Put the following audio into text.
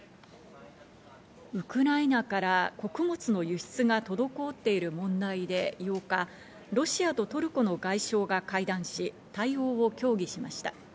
ウクライナから穀物の輸出が滞っている問題で８日、ロシアとトルコの外相が会談し、対応を協議しました。